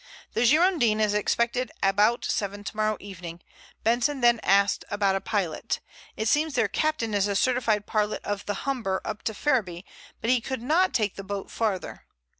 "The Girondin is expected about seven tomorrow evening. Benson then asked about a pilot. It seems their captain is a certified pilot of the Humber up to Ferriby, but he could not take the boat farther.